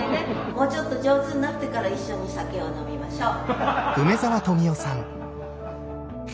もうちょっと上手になってから一緒に酒を飲みましょう。